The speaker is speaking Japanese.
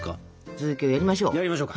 続きをやりましょう。